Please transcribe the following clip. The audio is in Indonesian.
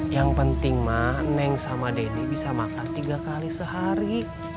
yang penting mak neng sama deddy bisa makan tiga kali sehari